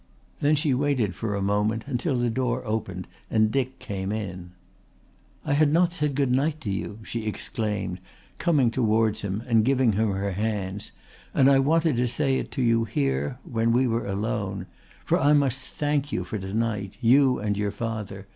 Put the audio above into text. Then she waited for a moment until the door opened and Dick came in. "I had not said good night to you," she exclaimed, coming towards him and giving him her hands, "and I wanted to say it to you here, when we were alone. For I must thank you for to night, you and your father.